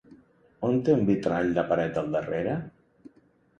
On té un vitrall la paret del darrere?